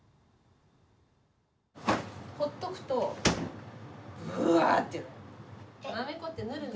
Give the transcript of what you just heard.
ほっとくとぶわってなる。